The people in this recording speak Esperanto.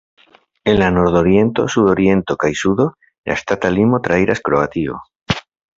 En la nordoriento, sudoriento kaj sudo, la ŝtata limo trairas Kroatio.